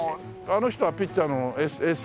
あの人はピッチャーのエース級？